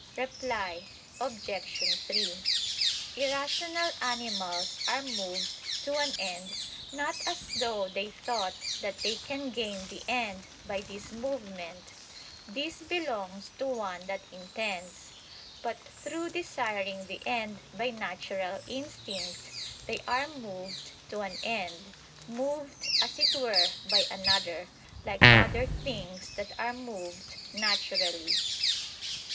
Reply Obj. 3: Irrational animals are moved to an end, not as though they thought that they can gain the end by this movement; this belongs to one that intends; but through desiring the end by natural instinct, they are moved to an end, moved, as it were, by another, like other things that are moved naturally.